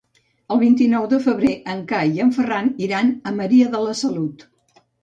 El vint-i-nou de febrer en Cai i en Ferran iran a Maria de la Salut.